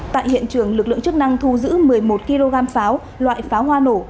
tại hiện trường lực lượng chức năng thu giữ một mươi một kg pháo loại pháo hoa nổ